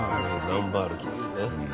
ナンバ歩きですね。